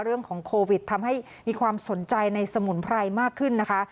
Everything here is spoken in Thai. เรื่องของโควิดทำให้มีความสนใจในสมุนไพรมากขึ้นนะคะ